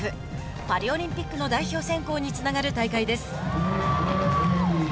パリオリンピックの代表選考につながる大会です。